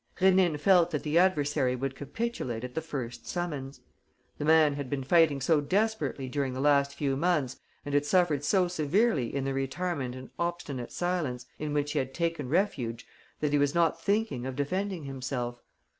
Rénine felt that the adversary would capitulate at the first summons. The man had been fighting so desperately during the last few months and had suffered so severely in the retirement and obstinate silence in which he had taken refuge that he was not thinking of defending himself.